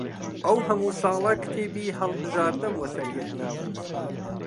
ئەو هەموو ساڵە کتێبی هەڵبژاردەم وە سەر یەک نابوو